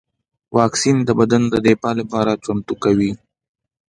واکسین بدن د دفاع لپاره چمتو کوي